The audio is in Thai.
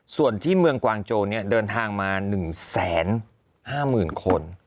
ส่วนที่เมืองกวางโจเดินทางมา๑๕๐๐๐คน